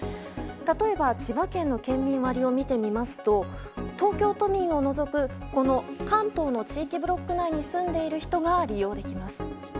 例えば千葉県の県民割を見てみますと東京都民を除く関東の地域ブロック内に住んでいる人が利用できます。